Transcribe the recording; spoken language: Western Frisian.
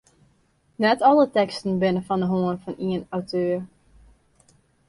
Net alle teksten binne fan de hân fan ien auteur.